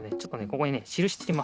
ここにねしるしつけます。